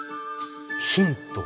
ヒント。